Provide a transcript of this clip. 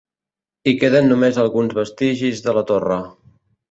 Hi queden només alguns vestigis de la torre.